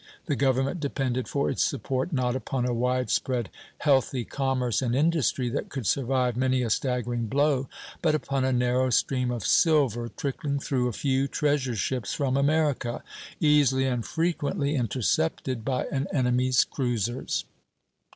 The government depended for its support, not upon a wide spread healthy commerce and industry that could survive many a staggering blow, but upon a narrow stream of silver trickling through a few treasure ships from America, easily and frequently intercepted by an enemy's cruisers.